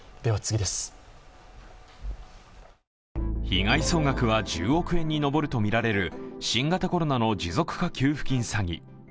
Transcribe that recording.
被害総額は１０億円に上るとみられる新型コロナの持続化給付金詐欺。